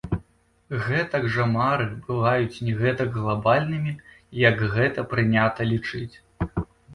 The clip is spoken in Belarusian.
Гэтак жа мары бываюць не гэтак глабальнымі, як гэта прынята лічыць.